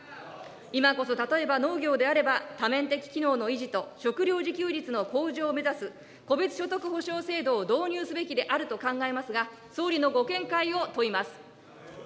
今こそ例えば農業であれば、多面的機能の維持と、食料自給率の向上を目指す戸別所得補償制度を導入すべきであると考えますが、総理のご見解を問います。